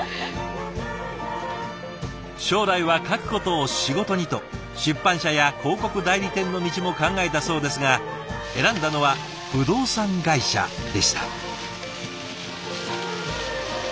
「将来は書くことを仕事に！」と出版社や広告代理店の道も考えたそうですが選んだのは不動産会社でした。